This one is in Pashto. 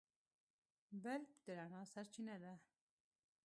بلب د رڼا سرچینه ده.